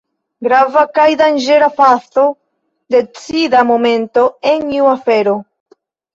Grava kaj danĝera fazo, decida momento en iu afero.